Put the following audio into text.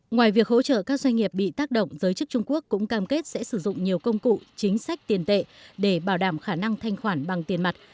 ngoài việc hỗ trợ các doanh nghiệp bị tác động giới chức trung quốc cũng cam kết sẽ sử dụng nhiều công cụ chính sách tiền tệ để bảo đảm khả năng thanh khoản bằng tiền mặt